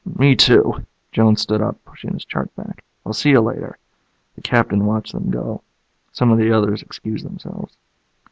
"Me, too." Jones stood up, pushing his chair back. "I'll see you later." The Captain watched them go. Some of the others excused themselves.